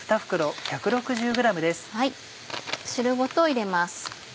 汁ごと入れます。